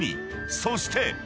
［そして］